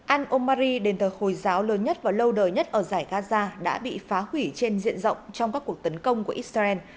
al omary đền thờ hồi giáo lớn nhất và lâu đời nhất ở giải gaza đã bị phá hủy trên diện rộng trong các cuộc tấn công của israel